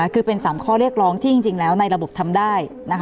คือเป็น๓ข้อเรียกร้องที่จริงแล้วในระบบทำได้